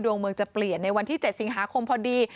ดวงเมืองจะเปลี่ยนในวันที่๗สิงหาคมพอดี